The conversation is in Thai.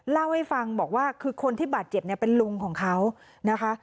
เล่าให้ฟังบอกว่าคือคนที่บาดเจ็บเนี่ยเป็นลุงของเขานะคะ